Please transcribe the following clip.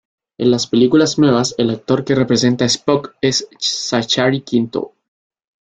En las películas nuevas, el actor que representa a Spock es Zachary Quinto.